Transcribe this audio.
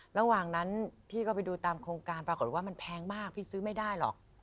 ระหว่างนั้นพี่ก็ไปดูตามโครงการปรากฏว่ามันแพงมากพี่ซื้อไม่ได้หรอก